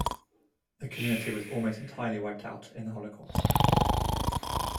The community was almost entirely wiped out in the Holocaust.